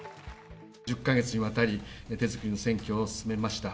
１０か月にわたり、手作りの選挙を進めました。